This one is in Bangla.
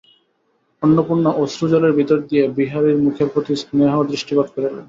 অন্নপূর্ণা অশ্রুজলের ভিতর দিয়া বিহারীর মুখের প্রতি স্নেহদৃষ্টিপাত করিলেন।